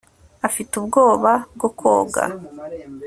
afite ubwoba bwo koga